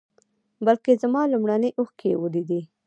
بلکې زما لومړنۍ اوښکې یې ولیدې.